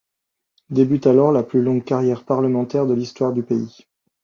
Débute alors la plus longue carrière parlementaire de l'histoire du pays.